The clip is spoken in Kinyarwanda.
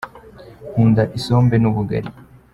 nkunda isome nubugari